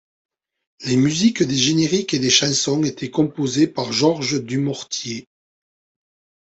Les musiques des génériques et des chansons étaient composées par Georges Dumortier.